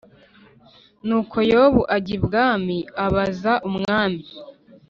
Nuko Yowabu ajya i bwami abaza umwami